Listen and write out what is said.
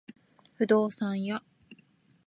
不動産屋